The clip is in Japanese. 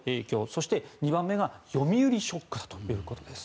そして、２番目が読売ショックだということです。